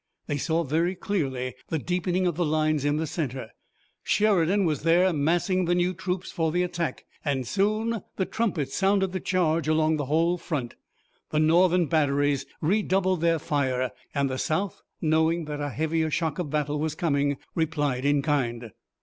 They saw very clearly the deepening of the lines in the center. Sheridan was there massing the new troops for the attack, and soon the trumpets sounded the charge along the whole front. The Northern batteries redoubled their fire, and the South, knowing that a heavier shock of battle was coming, replied in kind.